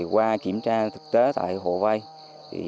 qua kiểm tra thực tế tại hộ vay